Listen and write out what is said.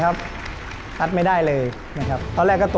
ช่วยฝังดินหรือกว่า